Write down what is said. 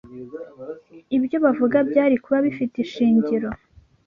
Ibyo bavuga byari kuba bifite ishingiro